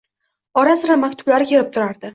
Ora-sira maktublari kelib turardi.